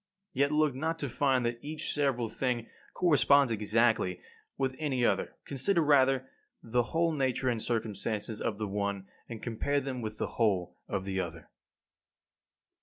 Yet look not to find that each several thing corresponds exactly with any other. Consider rather the whole nature and circumstances of the one, and compare them with the whole of the other.